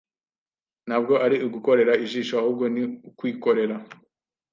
ntabwo ari ugukorera ijisho ahubwo ni ukwikorera